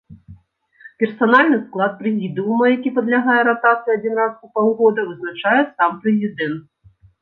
Персанальны склад прэзідыума, які падлягае ратацыі адзін раз у паўгода, вызначае сам прэзідэнт.